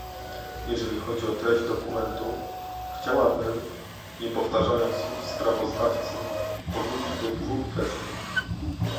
Jeżeli chodzi o treść dokumentu, chciałabym, nie powtarzając słów sprawozdawcy, powrócić do dwóch kwestii